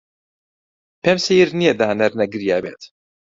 پێم سەیر نییە دانەر نەگریابێت.